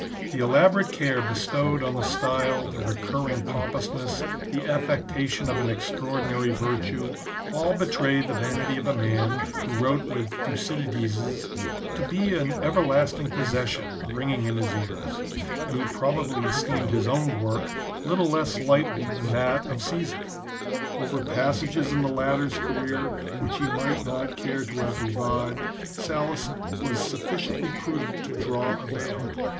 The elaborate care bestowed on the style, the recurring pompousness, the affectation of an extraordinary virtue, all betray the vanity of a man who wrote with Thucydides' " to be an everlasting possession" ringing in his ears, and who probably esteemed his own work little less lightly than that of Caesar, Over passages in the latter's career which he might not care to have revived, Sallust was sufficiently prudent to draw a veil.